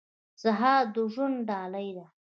سهار د ژوند ډالۍ ده.